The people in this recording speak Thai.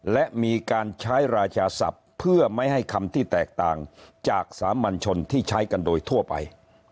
และมีการใช้ราชาศัพท์เพื่อไม่ให้คำที่แตกต่างจากสามัญชนที่ใช้กันโดยทั่วไป